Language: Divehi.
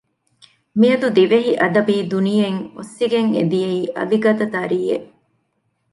މިއަދު ދިވެހި އަދަބީ ދުނިޔެއިން އޮއްސިގެން އެ ދިޔައީ އަލިގަދަ ތަރިއެއް